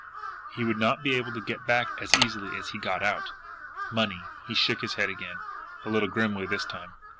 He would not be able to get back as easily as he got out! Money! He shook his head again a little grimly this time.